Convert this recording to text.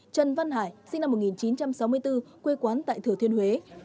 trần văn hải sinh năm một nghìn chín trăm sáu mươi bốn quê quán tại thừa thiên huế